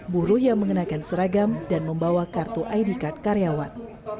buruh yang mengenakan seragam dan membawa kartu id card karyawan